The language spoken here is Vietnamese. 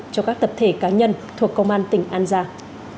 cho các tập thể cá nhân thuộc công an tỉnh an giang